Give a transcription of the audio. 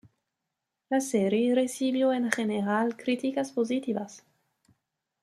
La serie recibió en general críticas positivas.